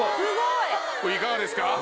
いかがですか？